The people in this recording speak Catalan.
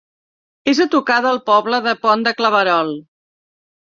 És a tocar del poble del Pont de Claverol.